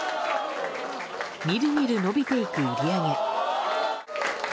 みるみる伸びていく売り上げ。